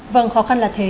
vâng khó khăn là thế